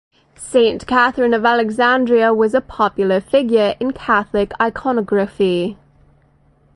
Saint Catherine of Alexandria was a popular figure in Catholic iconography.